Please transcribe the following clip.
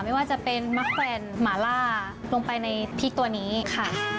ไม่ว่าจะเป็นมะแขวนหมาล่าลงไปในพริกตัวนี้ค่ะ